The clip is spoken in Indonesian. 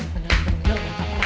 bener bener gak ngapain